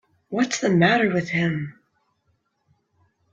What's the matter with him.